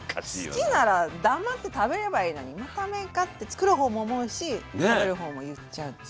好きなら黙って食べればいいのに「また麺か」ってつくる方も思うし食べる方も言っちゃうっていう。